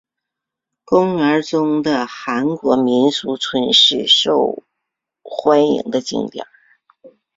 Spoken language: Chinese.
公园中的韩国民俗村是受欢迎的景点。